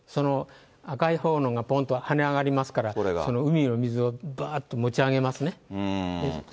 赤いほうのがぽんと跳ね上がりますから、その海の水をばーっと持ち上げますね。